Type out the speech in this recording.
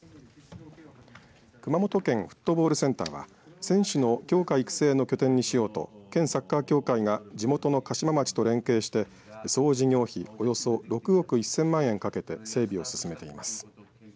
熊本県フットボールセンターは選手の強化育成の拠点にしようと県サッカー協会が地元の嘉島町と連携して総事業費、およそ６億１０００万円かけて整備を進めています。